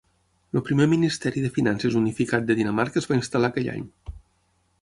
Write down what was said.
El primer Ministeri de Finances unificat de Dinamarca es va instal·lar aquell any.